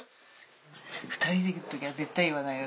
２人でいる時は絶対言わないよ